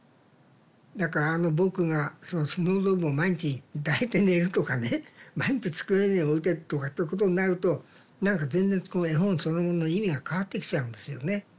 だからあの「ぼく」がそのスノードームを毎日抱いて寝るとかね毎日机の上に置いてとかっていうことになると何か全然この絵本そのものの意味が変わってきちゃうんですよね。